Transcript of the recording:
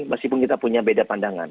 meskipun kita punya beda pandangan